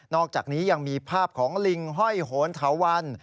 อกจากนี้ยังมีภาพของลิงห้อยโหนเถาวัน